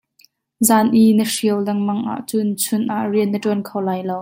Zaan i na hriao lengmang ahcun chun ah rian na ṭuan kho lai lo.